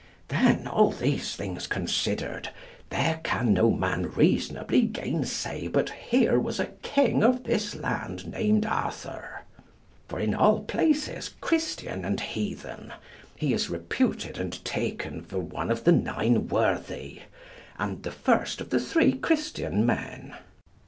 Then all these things considered, there can no man reasonably gainsay but here was a king of this land named Arthur; for in all places, Christian and heathen, he is reputed and taken for one of the nine worthy, and the first of the three Christian men.